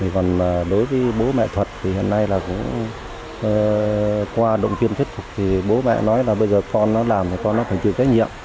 còn đối với bố mẹ thuật thì hiện nay là cũng qua động viên thuyết phục thì bố mẹ nói là bây giờ con nó làm thì con nó phải chịu trách nhiệm